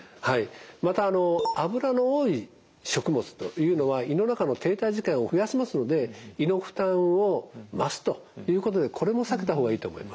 また脂の多い食物というのは胃の中の停滞時間を増やしますので胃の負担を増すということでこれも避けた方がいいと思います。